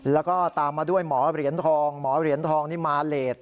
แล้วก็ตามมาด้วยหมอเหรียญทองหมอเหรียญทองนี่มาเลส